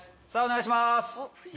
さぁお願いします。